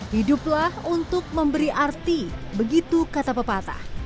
hiduplah untuk memberi arti begitu kata pepatah